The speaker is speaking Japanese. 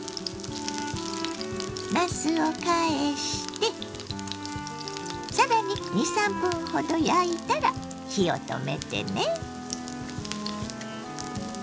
なすを返して更に２３分ほど焼いたら火を止めてね。